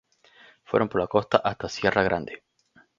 Fueron por la costa hasta Sierra Grande.